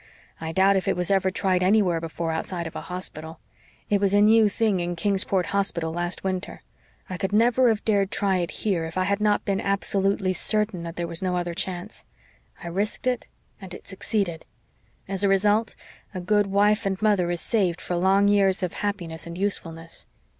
I doubt if it was ever tried anywhere before outside of a hospital. It was a new thing in Kingsport hospital last winter. I could never have dared try it here if I had not been absolutely certain that there was no other chance. I risked it and it succeeded. As a result, a good wife and mother is saved for long years of happiness and usefulness.